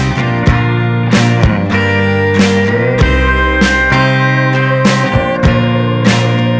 terima kasih banyak om tante